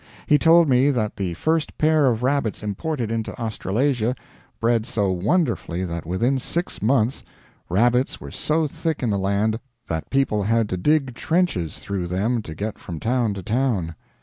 He told me that the first pair of rabbits imported into Australasia bred so wonderfully that within six months rabbits were so thick in the land that people had to dig trenches through them to get from town to town.